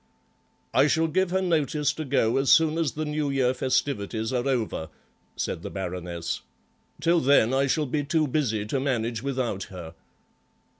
"I shall give her notice to go as soon as the New Year festivities are over," said the Baroness; "till then I shall be too busy to manage without her."